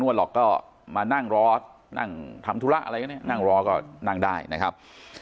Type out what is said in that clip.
หรอกก็มานั่งรอนั่งทำธุระอะไรก็เนี่ยนั่งรอก็นั่งได้นะครับ